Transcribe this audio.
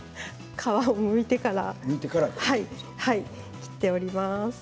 皮をむいてから切っております。